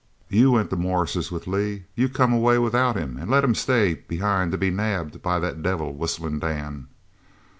You went to Morris's with Lee. You come away without him and let him stay behind to be nabbed by that devil Whistlin' Dan."